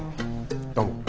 どうも。